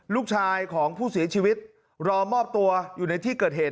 ลูกชายของผู้เสียชีวิตรอมอบตัวอยู่ในที่เกิดเหตุ